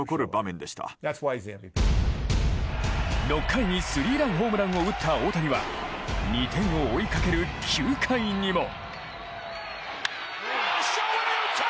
６回にスリーランホームランを打った大谷は２点を追いかける９回にも。